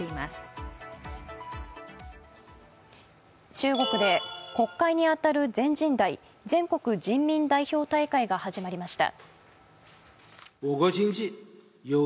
中国で国会にあたる全人代＝全国人民代表大会が始まりました。